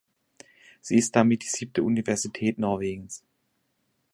Sie ist damit die siebte Universität Norwegens.